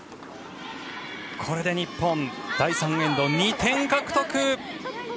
これで日本、第３エンド、２点獲得。